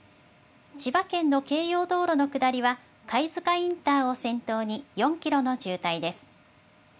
千葉県の京葉道路の下りは、貝塚インターを先頭に４キロの渋滞です。